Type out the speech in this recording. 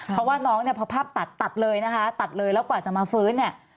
เพราะว่าน้องเนี่ยพอภาพตัดตัดเลยนะคะตัดเลยแล้วกว่าจะมาฟื้นเนี่ย